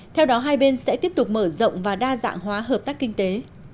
theo đó hai bên sẽ tiếp tục mở rộng và đa dạng hóa hợp tác kinh tế